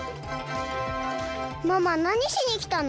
ママなにしにきたの？